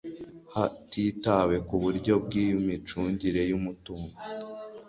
hatitawe ku buryo bw imicungire y umutungo